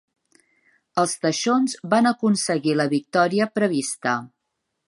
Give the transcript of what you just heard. Els teixons van aconseguir la victòria prevista.